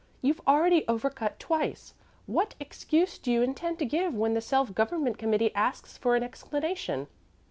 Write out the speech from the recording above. You've already over cut twice. What excuse do you intend to give when the Self Government Committee asks for an explanation?"